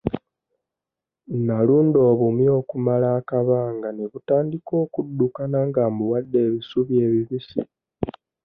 Nalunda obumyu okumala akabanga ne butandika okuddukana nga mbuwadde ebisubi ebibisi.